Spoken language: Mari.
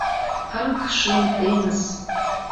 Ах, Шем теҥыз!